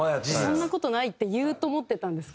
「そんな事ない」って言うと思ってたんですけど